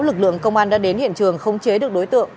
lực lượng công an đã đến hiện trường không chế được đối tượng